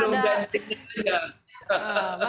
belum dancingnya ya